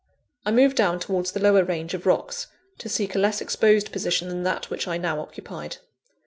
I moved down towards the lower range of rocks, to seek a less exposed position than that which I now occupied.